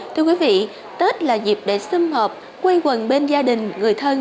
thưa quý vị tết là dịp để xâm hợp quay quần bên gia đình người thân